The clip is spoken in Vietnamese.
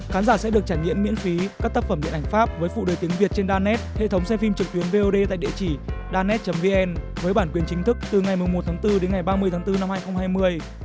khán giả sẽ được trải nghiệm miễn phí các tác phẩm điện ảnh pháp với phụ đề tiếng việt trên danet hệ thống xem phim trực tuyến vod tại địa chỉ danet vn với bản quyền chính thức từ ngày một tháng bốn đến ngày ba mươi tháng bốn năm hai nghìn hai mươi